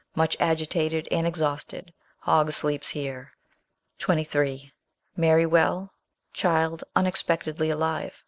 Much agitated and exhausted. Hogg sleeps here. 23. Mary well; child unexpectedly alive.